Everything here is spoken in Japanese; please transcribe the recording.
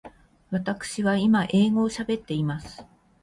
わたくしは今英語を喋っています。